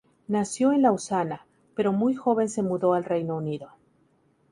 Nació en Lausana, pero muy joven se mudó al Reino Unido.